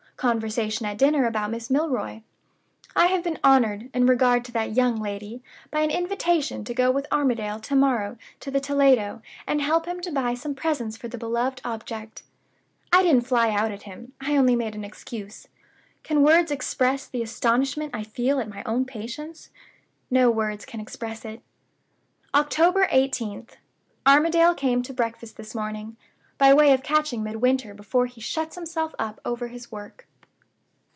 Conversation at dinner about Miss Milroy. I have been honored, in regard to that young lady, by an invitation to go with Armadale to morrow to the Toledo, and help him to buy some presents for the beloved object. I didn't fly out at him I only made an excuse. Can words express the astonishment I feel at my own patience? No words can express it." "October 18th. Armadale came to breakfast this morning, by way of catching Midwinter before he shuts himself up over his work.